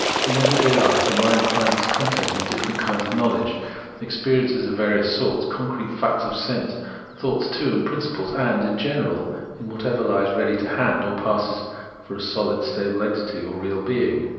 In every day life the mind finds its content in different kinds of knowledge, experiences of various sorts, con crete facts of sense, thoughts, too, and principles, and, in general, in whatever Ues ready to hand, or passes for a sohd stable entity, or real being.